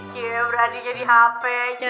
ya berani jadi hp